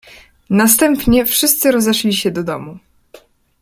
"Następnie wszyscy rozeszli się do domu."